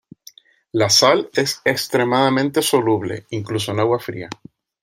La sal es extremadamente soluble, incluso en agua fría.